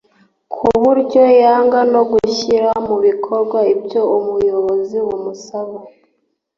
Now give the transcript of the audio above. ku buryo yanga no gushyira mu bikorwa ibyo ubuyobozi bumusabye